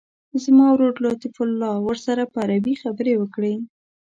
زما ورور لطیف الله ورسره په عربي خبرې وکړي.